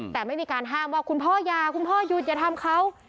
แต่ไม่มีการห้ามว่าคุณพ่ออย่าคุณพ่อหยุดอย่าทำเขา